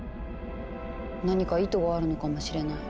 何か意図があるのかもしれない。